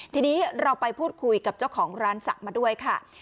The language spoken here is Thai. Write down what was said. ทีนี้เราไปพูดคุยกับเจ้าของร้านศักดิ์มาด้วยค่ะ